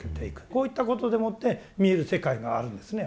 こういったことでもって見える世界があるんですね。